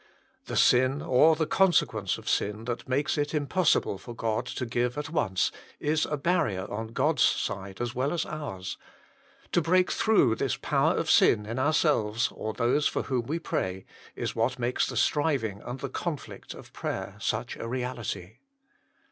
The sin, or the consequence of sin, that makes it impossible for God to give at once, is a barrier on God s side as well as ours ; to break through this power of sin in ourselves, or those for whom we pray, is what makes the striving and the conflict of prayer such a reality.